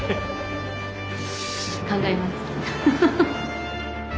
考えます。